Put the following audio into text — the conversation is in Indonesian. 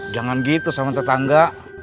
jangan gitu sama tetangga